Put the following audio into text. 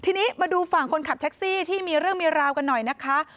ทีนี้มาดูฝั่งคนขับแท็กซี่ที่มีเรื่องมีราวกันหน่อยนะคะ